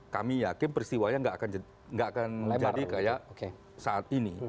kami yakin peristiwanya nggak akan jadi kayak saat ini